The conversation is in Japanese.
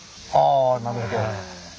あなるほど。